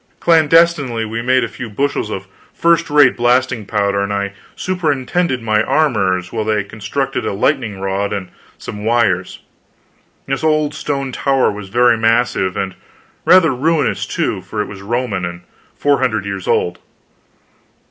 Clandestinely we made a few bushels of first rate blasting powder, and I superintended my armorers while they constructed a lightning rod and some wires. This old stone tower was very massive and rather ruinous, too, for it was Roman, and four hundred years old.